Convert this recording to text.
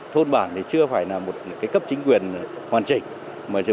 thôn bảng thì chưa phải là một cái cấp chính quyền hoàn chỉnh